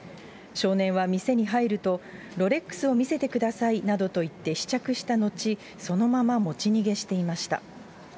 少年は店に入ると、ロレックスを見せてくださいなどと言って試着した後、そのまま持ち逃げしていました。